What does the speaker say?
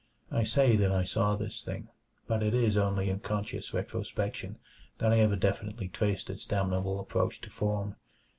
I say that I saw this thing, but it is only in conscious retrospection that I ever definitely traced its damnable approach to form.